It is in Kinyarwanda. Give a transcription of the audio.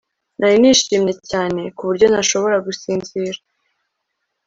Nari nishimye cyane ku buryo ntashobora gusinzira